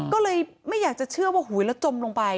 ก็เลยไม่อยากจะเชื่อว่าหูยแล้วจมลงไป